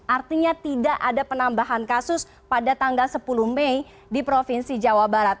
artinya tidak ada penambahan kasus pada tanggal sepuluh mei di provinsi jawa barat